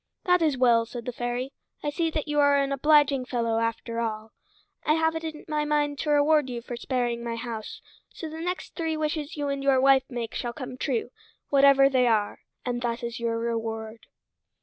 "That is well," said the fairy. "I see that you are an obliging fellow, after all. I have it in my mind to reward you for sparing my house, so the next three wishes you and your wife make shall come true, whatever they are; and that is your reward."